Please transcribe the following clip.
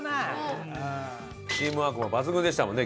チームワークも抜群でしたもんね